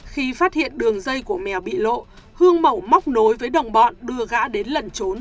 khi phát hiện đường dây của mèo bị lộ hương mẩu móc nối với đồng bọn đưa gã đến lần trốn